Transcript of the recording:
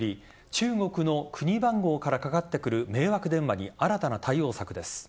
中国の国番号からかかってくる迷惑電話に新たな対応策です。